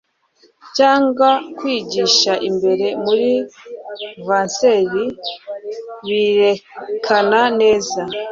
cyangwa kwigisha imbere muri vanseri birerekana neza